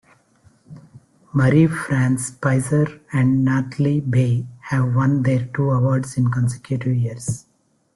Marie-France Pisier and Nathalie Baye have won their two awards in consecutive years.